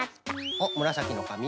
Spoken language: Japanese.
おっむらさきのかみ？